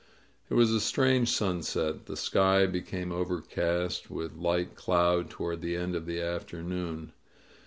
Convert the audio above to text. It was a strange sunset. The sky became overcast with light cloud toward the end of the afternoon.